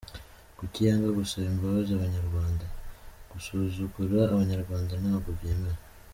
Kuki yanga gusaba imbabazi Abanyarwanda? Gusuzugura Abanyarwanda ntabwo byemewe.